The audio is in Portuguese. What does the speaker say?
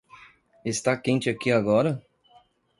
Está quente aqui agora?